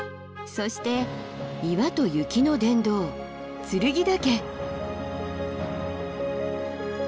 そして岩と雪の殿堂剱岳。